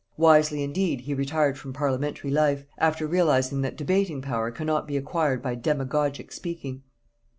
Wisely indeed, he retired from parliamentary life, after realizing that debating power cannot be acquired by demagogic speaking.